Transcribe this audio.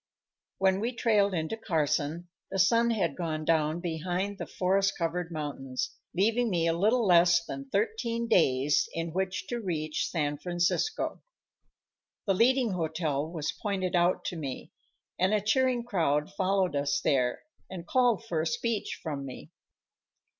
When we trailed into Carson, the sun had gone down behind the forest covered mountains, leaving me a little less than thirteen days in which to reach San Francisco. The leading hotel was pointed out to me, and a cheering crowd followed us there and called for a speech from me.